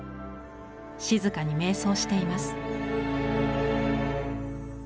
静かにめい想しています。